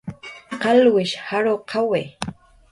qalwishi jarwqawi